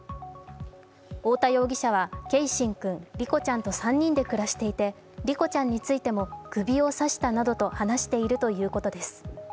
太田容疑者は継真君梨心ちゃんと３人で暮らしていて梨心ちゃんについても首を刺したなどと話しているということです。